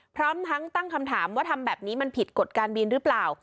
พร้อมทั้งตั้งคำถามว่าทำแบบนี้มันผิดกฎการบินหรือเปล่า